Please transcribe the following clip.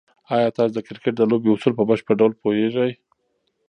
آیا تاسو د کرکټ د لوبې اصول په بشپړ ډول پوهېږئ؟